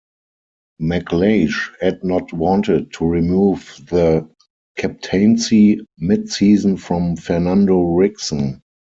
McLeish had not wanted to remove the captaincy mid-season from Fernando Ricksen.